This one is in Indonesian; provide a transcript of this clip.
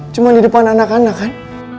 cuma di depan anak anak kan